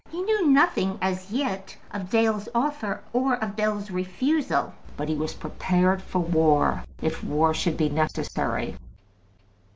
He knew nothing as yet of Dale's offer, or of Bell's refusal, but he was prepared for war, if war should be necessary.